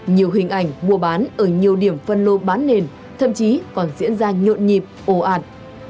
nhiều hình ảnh mua bán ở nhiều điểm phân lô bán nền thậm chí còn diễn ra nhộn nhịp ồ ạt